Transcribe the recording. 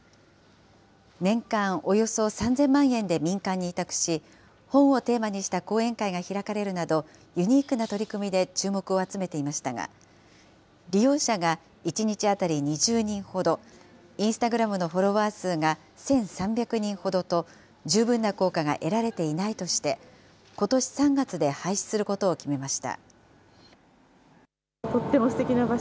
年間およそ３０００万円で民間に委託し、本をテーマにした講演会が開かれるなど、ユニークな取り組みで注目を集めていましたが、利用者が１日当たり２０人ほど、インスタグラムのフォロワー数が１３００人ほどと、十分な効果が得られていないとして、ことし３月で廃止することを決めました。